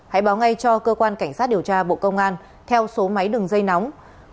hãy báo ngay cho cơ quan cảnh sát điều tra bộ công an theo số máy đường dây nóng